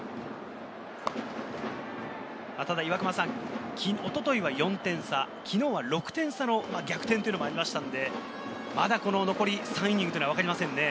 ただ一昨日は４点差、昨日は６点差の逆転というのもありましたので、まだ残り３イニングわかりませんね。